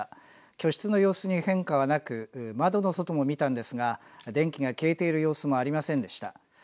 居室の様子に変化はなく、窓の外も見たんですが、電気が消えている様子はありませんでした。